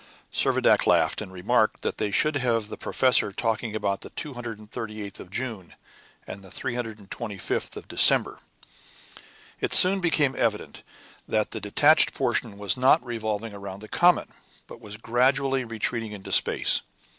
Servadac laughed, and remarked that they should have the professor talking about the 238th of June, and the 325th of December. It soon became evident that the detached portion was not revolving round the comet, but was gradually retreating into space.